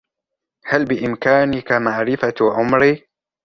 هل بإمكانك معرفة عمري ؟